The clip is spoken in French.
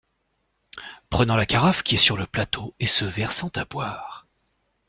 Prenant la carafe qui est sur le plateau et se versant à boire.